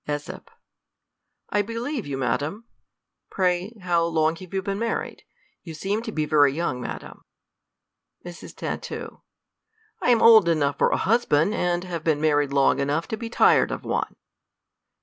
,^8. I believe you, madam; pray, how long have you been married? you seem to be very young, madam. Mrs. Tat. I am old enough for a husband, and have been married long enough to be tired of one.